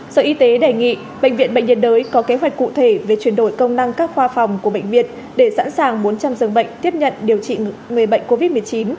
sở y tế đề nghị bệnh viện bệnh nhiệt đới có kế hoạch cụ thể về chuyển đổi công năng các khoa phòng của bệnh viện để sẵn sàng bốn trăm linh dường bệnh tiếp nhận điều trị người bệnh covid một mươi chín